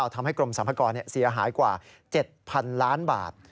ทำให้กรมสรรพากรเสียหายกว่า๗๐๐๐ล้านบาท